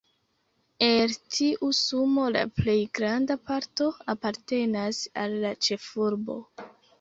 El tiu sumo la plej granda parto apartenas al la ĉefurbo.